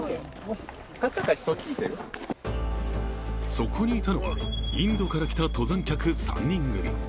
そこにいたのは、インドから来た登山客３人組。